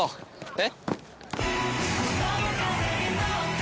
えっ？